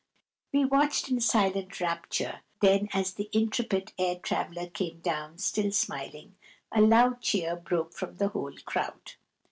We watched in silent rapture; then, as the intrepid air traveller came down, still smiling, a loud cheer broke from the whole crowd.